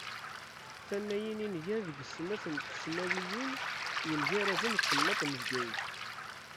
Tannayin i nga deg snat n tesnawiyin yemgaraden deg temnaḍt n Bgayet.